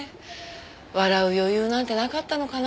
笑う余裕なんてなかったのかな？